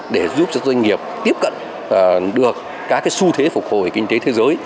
để giúp cho doanh nghiệp tiếp cận được các xu thế phục hồi kinh tế thế giới